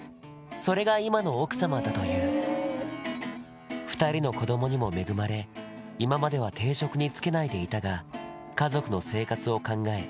それが今の奥様だという２人の子供にも恵まれ今までは定職に就けないでいたが家族の生活を考え